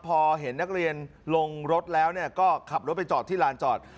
พอเห็นนักเรียนลงรถแล้วก็ขับรถไปจอดที่ลานจอด